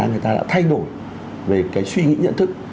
người ta đã thay đổi về cái suy nghĩ nhận thức